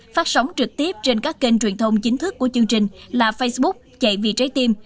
phát sóng trực tiếp trên các kênh truyền thông chính thức của chương trình là facebook chạy vì trái tim